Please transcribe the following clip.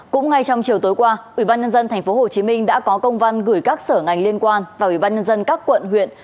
cũng ngay trong chiều tối qua ubnd tp hcm đã có công văn gửi các sở ngành liên quan vào ubnd các quận huyện